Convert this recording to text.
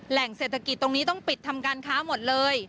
แหล่งเศรษฐกิจตรงนี้ต้องปิดทำการค้าหมดเลย